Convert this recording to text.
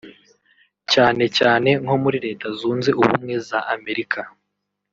cyane cyane nko muri Leta Zunze Ubumwe za Amerika